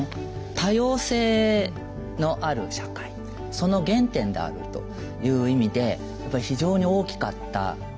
多様性のある社会その原点であるという意味で非常に大きかった。